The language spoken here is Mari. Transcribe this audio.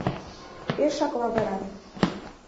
— Пешак лавыран.